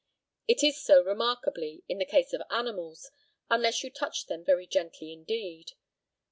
It is so remarkably in the case of animals, unless you touch them very gently indeed.